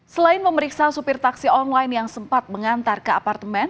selain memeriksa supir taksi online yang sempat mengantar ke apartemen